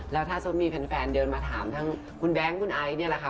แล้วถ้าซุดมีดเป็นแฟนเดินมาถามทั้งคุณแบงค์คุณไอ๊คแบบนี้แหละคะ